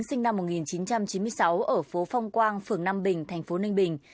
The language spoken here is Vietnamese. sinh năm một nghìn chín trăm chín mươi sáu ở phố phong quang phường nam bình thành phố ninh bình